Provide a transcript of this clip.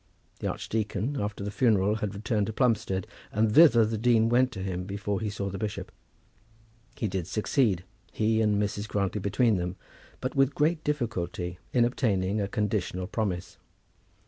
The archdeacon, after the funeral, had returned to Plumstead, and thither the dean went to him before he saw the bishop. He did succeed, he and Mrs. Grantly between them, but with very great difficulty, in obtaining a conditional promise.